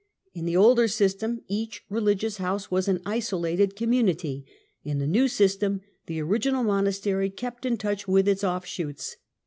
In the older system each religious house was an isolated community ; in the new system, the original monastery kept in touch with its offshoots.